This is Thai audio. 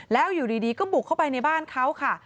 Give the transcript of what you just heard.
แล้วอยู่ดีก็บุกเข้าไปในบ้านเขาค่ะ